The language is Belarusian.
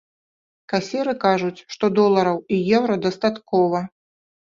Касіры кажуць, што долараў і еўра дастаткова.